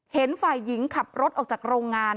เห็นฝ่ายหญิงขับรถออกจากโรงงาน